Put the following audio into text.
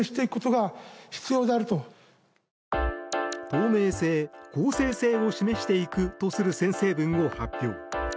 透明性、公正性を示していくとする宣誓文を発表。